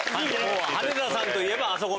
羽根田さんといえばあそこ！